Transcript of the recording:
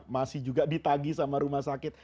masih juga ditagi sama rumah sakit